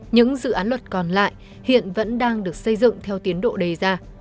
những dự án luật còn lại hiện vẫn đang được xây dựng theo tiến độ đề ra